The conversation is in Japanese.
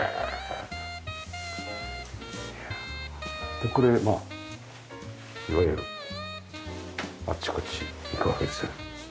ここでまあいわゆるあっちこっち行くわけですよね。